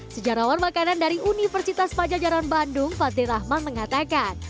sejarawan makanan dari universitas pajajaran bandung fatir rahman mengatakan